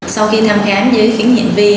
sau khi thăm khám dưới khuyến hiện vi